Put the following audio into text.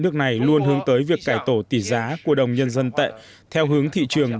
nước này luôn hướng tới việc cải tổ tỷ giá của đồng nhân dân tệ theo hướng thị trường